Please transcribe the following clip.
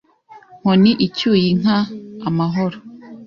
Nkoni icyuye inka amahoro